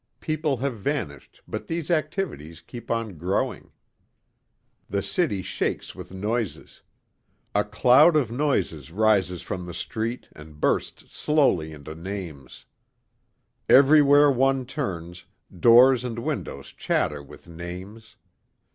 People have vanished but these activities keep on growing. The city shakes with noises. A cloud of noises rises from the street and bursts slowly into names. Everywhere one turns, doors and windows chatter with names.